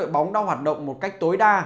bóng đã hoạt động một cách tối đa